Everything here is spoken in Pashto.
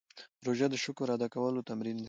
روژه د شکر ادا کولو تمرین دی.